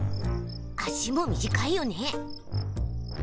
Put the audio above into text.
足も短いよね。